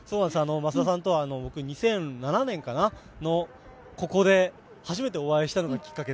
増田さんとは２００７年、ここで初めてお会いしたのがきっかけで。